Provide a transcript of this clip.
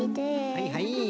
はいはい。